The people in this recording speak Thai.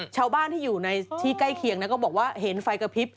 ชาวบ้านที่อยู่ในที่ใกล้เคียงก็บอกว่าเห็นไฟกระพริบ